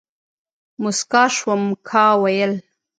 موسکا شوم ، کا ويل ،